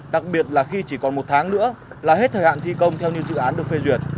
đặc biệt là khi chỉ còn một tháng nữa là hết thời hạn thi công theo như dự án được phê duyệt